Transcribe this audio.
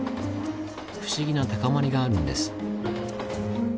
不思議な高まりがあるんです。